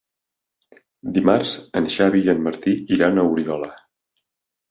Dimarts en Xavi i en Martí iran a Oriola.